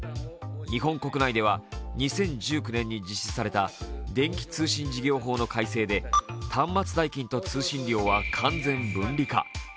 日本国内では２０１９年に実施された電気通信事業法の改正で端末代金と通信料は完全分離化。